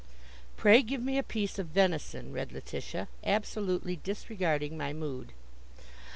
"'Pray, give me a piece of venison,'" read Letitia, absolutely disregarding my mood.